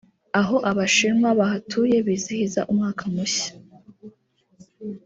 aho abashinwa bahatuye bizihiza umwaka mushya